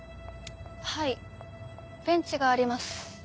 はいベンチがあります。